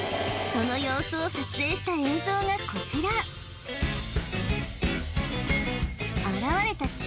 その様子を撮影した映像がこちら現れた